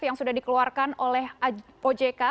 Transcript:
yang sudah dikeluarkan oleh ojk